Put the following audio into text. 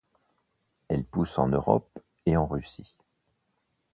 Elle pousse en Europe et en Russie.